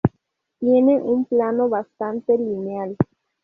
Tiene un plano bastante lineal.